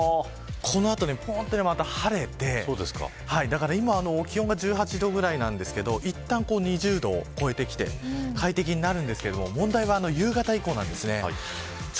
この後また晴れて今気温が１８度ぐらいなんですがいったん２０度を超えてきて快適になるんですが問題は夕方以降なんです。